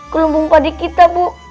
ke lumbung padi kita bu